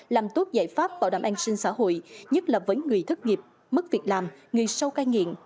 làm tốt giải pháp bảo đảm an sinh xã hội nhất là với người thất nghiệp mất việc làm người sâu cai nghiện